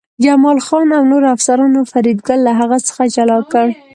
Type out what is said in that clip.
جمال خان او نورو افسرانو فریدګل له هغه څخه جلا کړ